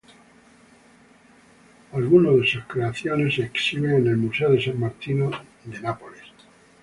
Algunas de sus creaciones se exhiben en el Museo de San Martino de Nápoles.